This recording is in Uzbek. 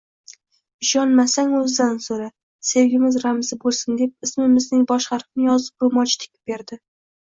Ishonmasang, oʻzidan soʻra, sevgimiz ramzi boʻlsin deb ismimizning bosh harfini yozib roʻmolcha tikib berdi.